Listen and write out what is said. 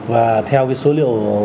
và theo cái số liệu